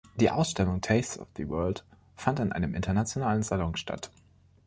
Die Ausstellung "Tastes of the World" fand in einem internationalen Salon statt.